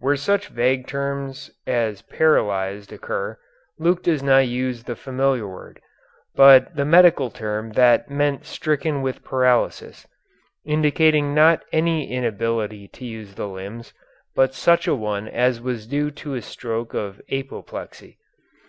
Where such vague terms as paralyzed occur Luke does not use the familiar word, but the medical term that meant stricken with paralysis, indicating not any inability to use the limbs, but such a one as was due to a stroke of apoplexy.